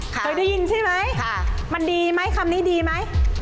เคยได้ยินใช่ไหมมันดีไหมคำนี้ดีไหม